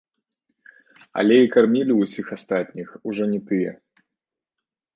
Але і кармілі ўсіх астатніх, ужо не тыя.